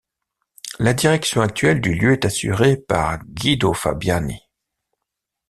La direction actuelle du lieu est assurée par Guido Fabiani.